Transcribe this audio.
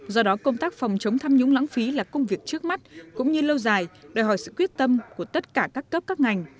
do đó công tác phòng chống tham nhũng lãng phí là công việc trước mắt cũng như lâu dài đòi hỏi sự quyết tâm của tất cả các cấp các ngành